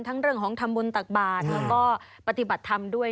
เรื่องของทำบุญตักบาทแล้วก็ปฏิบัติธรรมด้วย